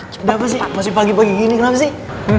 kenapa sih masih pagi pagi gini kenapa sih